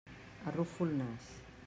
Arrufo el nas.